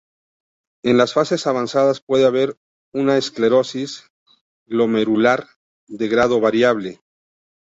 En las fases avanzadas puede haber una esclerosis glomerular de grado variable.